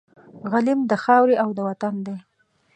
غلیم د خاوري او د وطن دی